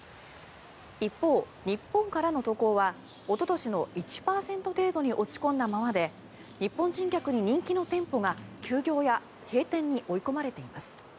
一方、日本からの渡航はおととしの１％程度に落ち込んだままで日本人客に人気の店舗が休業や閉店に追い込まれています。